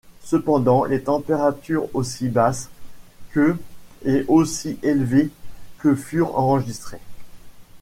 Cependant, des températures aussi basses que et aussi élevées que furent enregistrées.